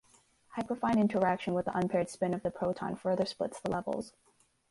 Hyperfine interaction with the unpaired spin of the proton further splits the levels.